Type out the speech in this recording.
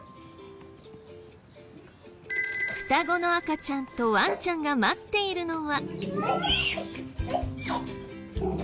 双子の赤ちゃんとワンちゃんが待っているのは。